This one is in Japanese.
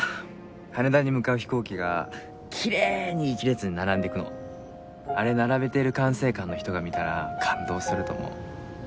羽田に向かう飛行機がきれいに一列に並んでいくのあれ並べてる管制官の人が見たら感動すると思う。